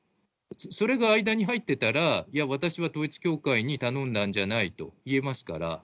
それが間に入ってたら、いや、私は統一教会に頼んだんじゃないと言えますから。